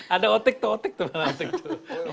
ada otik tuh